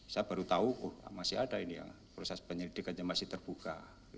saya baru tahu masih ada ini ya proses penyelidikan yang masih terbuka